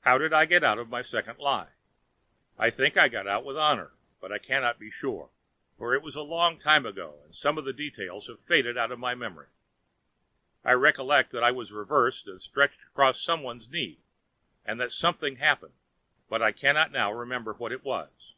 How did I get out of my second lie? I think I got out with honour, but I cannot be sure, for it was a long time ago and some of the details have faded out of my memory. I recollect that I was reversed and stretched across some one's knee, and that something happened, but I cannot now remember what it was.